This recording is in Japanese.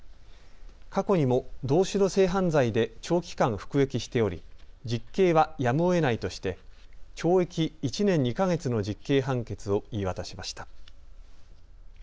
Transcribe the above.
過去にも同種の性犯罪で長期間、服役しており実刑はやむをえないとして懲役１年２か月の実刑判決を言い渡しました。